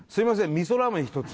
みそラーメン１つ！」